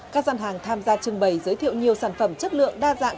các dân hàng tham gia trưng bày giới thiệu nhiều sản phẩm chất lượng đa dạng